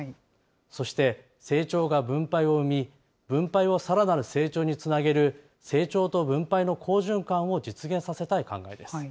そして、成長が分配を生み、分配をさらなる成長につなげる成長と分配の好循環を実現させたい考えです。